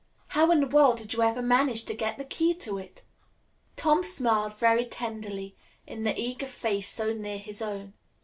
How in the world did you ever manage to get the key to it?" Tom smiled very tenderly into the eager face so near his own.